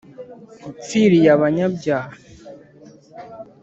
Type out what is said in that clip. Wapfiriy’ abanyabyaha,